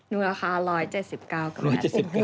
นุ้นค่า๑๗๙กว่านาที